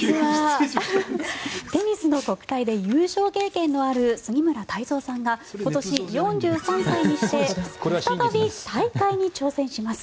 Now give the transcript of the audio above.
テニスの国体で優勝経験のある杉村太蔵さんが今年、４３歳にして再び大会に挑戦します。